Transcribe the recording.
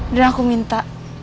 dan aku minta